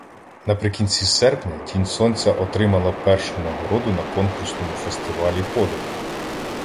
Наприкінці серпня «Тінь Сонця» отримали першу нагороду на конкурсному фестивалі «Подих».